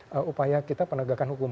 dalam upaya kita penegakan hukum